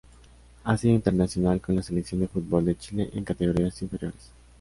Ha sido internacional con la Selección de fútbol de Chile en categorías inferiores.